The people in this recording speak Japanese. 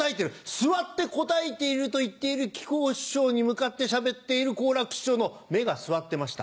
「座って答えている」と言っている木久扇師匠に向かってしゃべっている好楽師匠の目がすわってました。